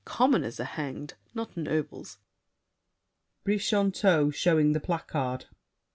Commoners are hanged, Not nobles. BRICHANTEAU (showing the placard).